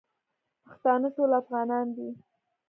پښتانه ټول افغانان دی.